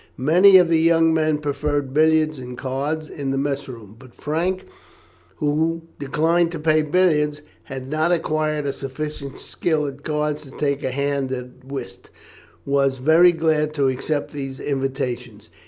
Many of the young men preferred billiards and cards in the mess room, but Frank, who declined to play billiards, and had not acquired sufficient skill at cards to take a hand at whist, was very glad to accept these invitations.